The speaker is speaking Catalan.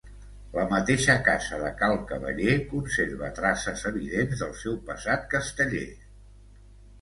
La mateixa casa de Cal Cavaller conserva traces evidents del seu passat casteller.